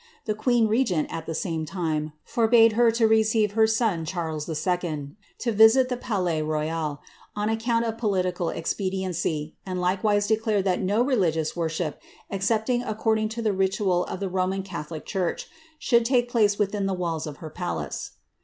The queen regent, at the same time, irbade her to receive her son, Charles 11., to visit the Palais Royal, on ceount of political expediency, and likewise declared that no religious rorship, excepting according to the ritual of the Roman catholic church, boald take place within the walls of her palace.